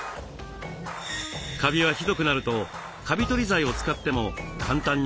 カビはひどくなるとカビ取り剤を使っても簡単に落とせなくなります。